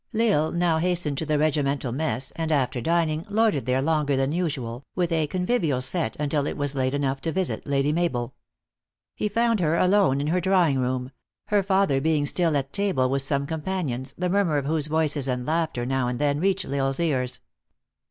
L Isle now hastened to the regimental mess, and, after dining, loitered there longer than usual, with a convivial set, until it was late enough to visit Lady Mabel. He found her alone, in her drawing room ; her father being still at table, with some companions, the murmur of whose voices and laughter now and then reached L Isle s ears.